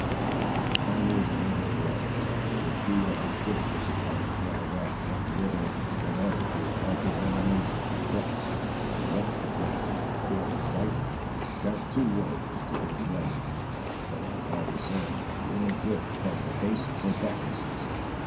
Ah, the Pawnee is a noble boy! it would do your heart good to see how he draws off from the river, in order to invite his enemies to cross; and yet, according to my failing sight, they count two warriors to his one! But as I was saying, little good comes of haste and thoughtlessness.